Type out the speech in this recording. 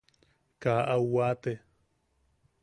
Kaa au waate.